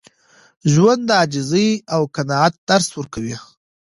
ژوند د عاجزۍ او قناعت درس ورکوي.